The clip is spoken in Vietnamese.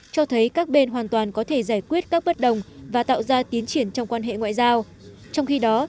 cho thấy các bên hoàn toàn có thể giải quyết các bất đồng và tạo ra tiến triển trong quan hệ ngoại giao